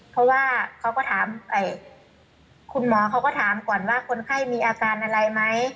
เพราะว่าเขาก็ถามคุณหมอเขาก็ถามก่อนว่าคนไข้มีอาการอะไรไหม